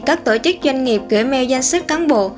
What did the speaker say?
các tổ chức doanh nghiệp gửi me danh sách cán bộ